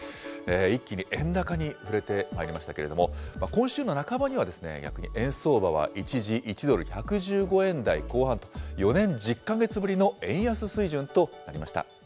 一気に円高に振れてまいりましたけれども、今週の半ばには逆に円相場は一時１ドル１１５円台後半と４年１０か月ぶりの円安水準となりました。